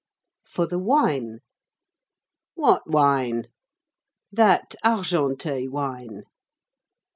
"For the wine." "What wine?" "That Argenteuil wine."